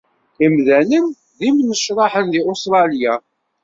Imdanen d imnecṛaḥen deg Ustṛalya.